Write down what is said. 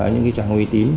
những cái trang uy tín